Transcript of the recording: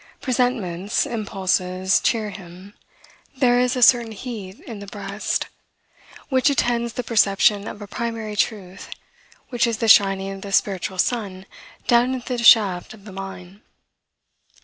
Presentiments, impulses, cheer him. There is a certain heat in the breast, which attends the perception of a primary truth, which is the shining of the spiritual sun down into the shaft of the mine.